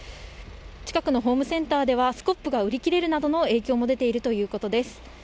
近くのホームセンターでは、スコップが売り切れるなどの影響も出ているということです。